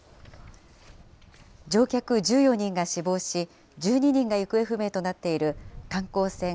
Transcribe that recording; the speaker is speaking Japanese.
乗客１４人が死亡し、１２人が行方不明となっている観光船